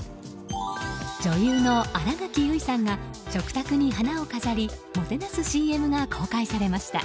女優の新垣結衣さんが食卓に花を飾りもてなすＣＭが公開されました。